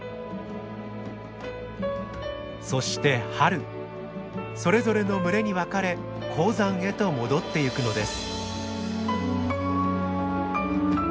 そして春それぞれの群れに分かれ高山へと戻ってゆくのです。